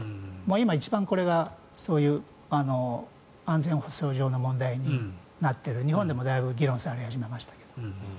今、一番これがそういう安全保障上の問題になっている日本でもだいぶ議論され始めましたけど。